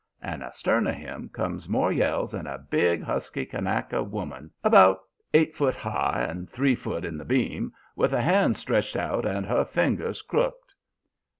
And astern of him comes more yells and a big, husky Kanaka woman, about eight foot high and three foot in the beam, with her hands stretched out and her fingers crooked.